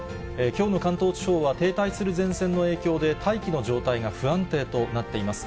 きょうの関東地方は停滞する前線の影響で、大気の状態が不安定となっています。